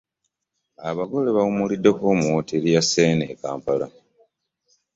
Abagole baawummuliddeko mu wooteri ya Serena e Kampala.